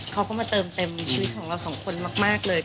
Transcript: เขาก็มาเติมเต็มชีวิตของเราสองคนมากเลย